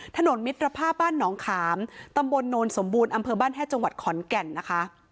ถนนมิตรภาพบ้านหนองขามตำบลโนนสมบูรณ์อำเภอบ้านแห้จังหวัดขอนแก่นนะคะ